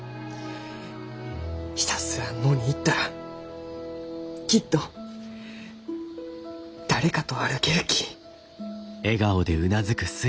ひたすら野に行ったらきっと誰かと歩けるき。